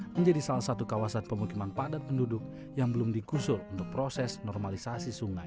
menjadi salah satu kawasan pemukiman padat penduduk yang belum dikusul untuk proses normalisasi sungai